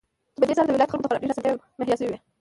چې په دې سره د ولايت خلكو ته خورا ډېرې اسانتياوې مهيا شوې.